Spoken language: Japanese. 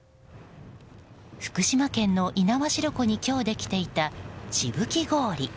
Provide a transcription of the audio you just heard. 福島県の猪苗代湖に今日できていた、しぶき氷。